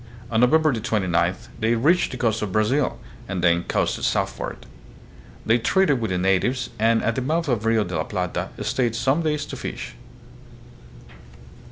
On November 29th they reached the coast of Brazil and then coasted southward. They traded with the natives, and at the mouth of the Rio de la Plata stayed some days to fish.